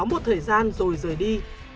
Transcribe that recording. một thời gian rồi rời đi